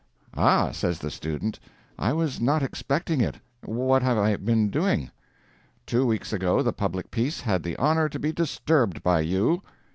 "Ah," says the student, "I was not expecting it. What have I been doing?" "Two weeks ago the public peace had the honor to be disturbed by you."